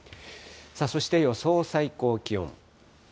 そして予想最高気温。